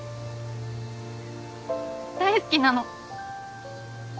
大好きなの。